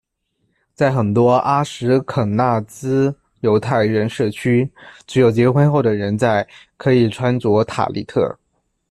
在很多阿什肯纳兹犹太人社区，只有结婚后的人在可以穿着塔利特。